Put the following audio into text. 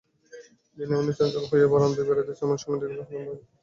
বিনয় এমনি চঞ্চল হইয়া যখন বারান্দায় বেড়াইতেছে এমন সময় দেখিল হারানবাবু রাস্তা দিয়া আসিতেছেন।